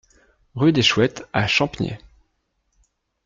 Rue des Chouettes à Champniers